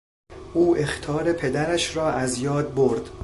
او اخطار پدرش را از یاد برد.